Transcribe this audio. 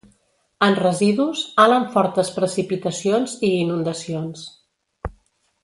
En residus, alt en fortes precipitacions i inundacions.